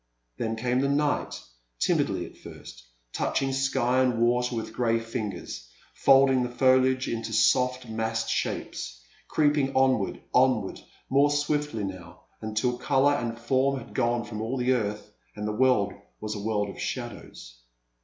Then came the night, timidly at first, touching sky and water with grey fingers, folding the foliage into soft massed shapes, creeping on ward, onward, more swiftly now, until colour and form had gone from all the earth and the world was a world of shadows.